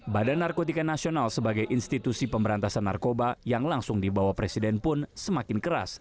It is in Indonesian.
badan narkotika nasional sebagai institusi pemberantasan narkoba yang langsung dibawa presiden pun semakin keras